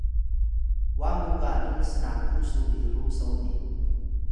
wa mu galun snatu su biru soni